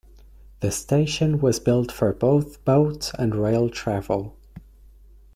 The station was built for both boat and rail travel.